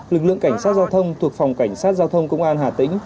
lực lượng cảnh sát giao thông thuộc phòng cảnh sát giao thông công an hà tĩnh